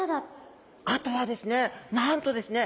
あとはですねなんとですね